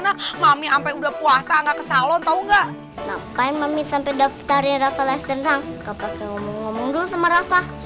hei udah bangun aja shrimp ma